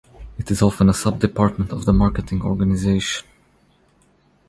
It is often a sub-department of the Marketing organization.